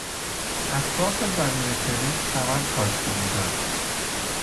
اطراف زمین تنیس چمن کاشته بودند.